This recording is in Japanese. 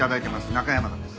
中山田です。